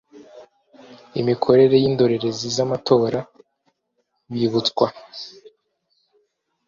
imikorere y indorerezi z amatora bibutswa